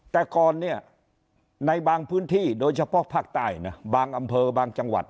แต่ก่อนเนี่ยในบางพื้นที่โดยเฉพาะภาคใต้นะบางอำเภอบางจังหวัด